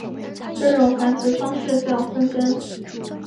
这种繁殖方式叫分根。